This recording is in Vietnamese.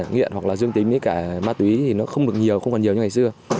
nghiện hoặc là dương tính với cả ma túy thì nó không được nhiều không còn nhiều như ngày xưa